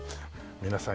皆さん